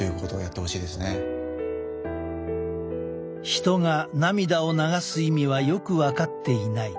ヒトが涙を流す意味はよく分かっていない。